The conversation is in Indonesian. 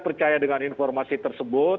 percaya dengan informasi tersebut